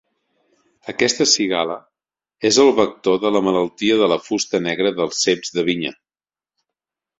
Aquesta cigala és el vector de la malaltia de la fusta negra dels ceps de vinya.